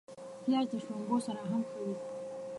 پیاز د شړومبو سره هم ښه وي